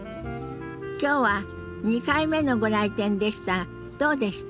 今日は２回目のご来店でしたがどうでした？